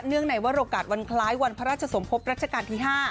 เนื่องไหนว่าโอกาสวันคล้ายวันพระราชสมภพรัชกาลที่๕